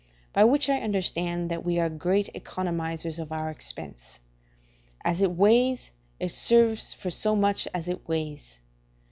By which I understand that we are great economisers of our expense: as it weighs, it serves for so much as it weighs.